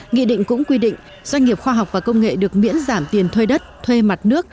nghị định cũng quy định doanh nghiệp khoa học và công nghệ được miễn giảm tiền thuê đất thuê mặt nước